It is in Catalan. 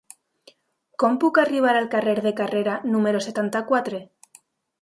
Com puc arribar al carrer de Carrera número setanta-quatre?